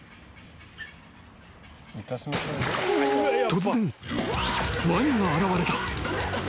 ［突然ワニが現れた］